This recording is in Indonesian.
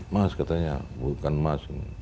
mas katanya bukan mas